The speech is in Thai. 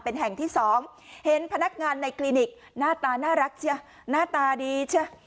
เป็นแห่งที่สองเห็นพนักงานในคลินิกหน้าตาน่ารักเชียหน้าตาดีใช่ไหม